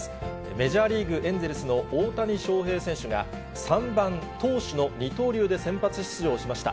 メジャーリーグ・エンゼルスの大谷翔平選手が、３番投手の二刀流で先発出場しました。